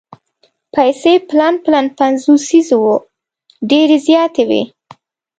پیسې پلن پلن پنځوسیز وو ډېرې زیاتې وې.